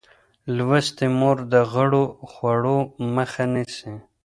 لوستې مور د غوړو خوړو مخه نیسي.